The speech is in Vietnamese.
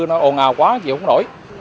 nó ồn ào quá dịu không nổi